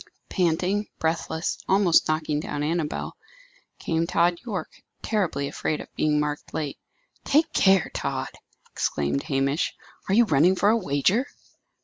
Panting, breathless, almost knocking down Annabel, came Tod Yorke, terribly afraid of being marked late. "Take care, Tod!" exclaimed Hamish. "Are you running for a wager?"